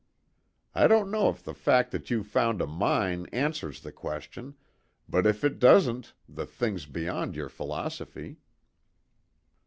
I don't know if the fact that you found a mine answers the question; but if it doesn't the thing's beyond your philosophy."